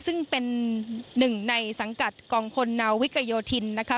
ซึ่งเป็นหนึ่งในสังกัดกองพลนาวิกโยธินนะคะ